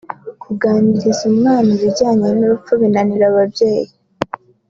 Kuganiriza umwana ibijyanye n’urupfu binanira ababyeyi